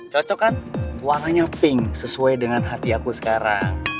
cocok kan warnanya pink sesuai dengan hati aku sekarang